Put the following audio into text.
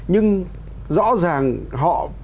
nhưng rõ ràng họ